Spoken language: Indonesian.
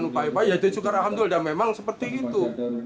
lupa lupa ya itu syukur alhamdulillah memang seperti itu